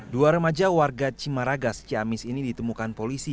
dua remaja warga cimaragas ciamis ini ditemukan polisi